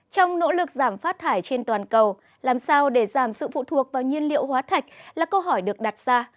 trong nỗ lực giảm phát thải trên toàn cầu làm sao để giảm sự phụ thuộc vào nhiên liệu hóa thạch là câu hỏi được đặt ra